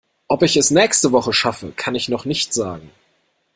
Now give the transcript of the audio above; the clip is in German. Ob ich es nächste Woche schaffe, kann ich noch nicht sagen.